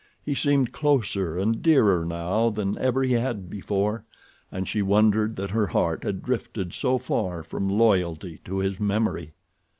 He seemed closer and dearer now than ever he had before, and she wondered that her heart had drifted so far from loyalty to his memory.